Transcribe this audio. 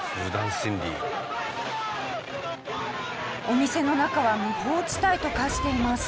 お店の中は無法地帯と化しています。